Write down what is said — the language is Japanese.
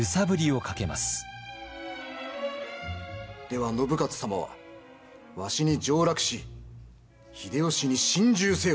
では信雄様はわしに上洛し秀吉に臣従せよと？